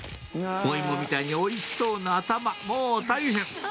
おイモみたいにおいしそうな頭もう大変！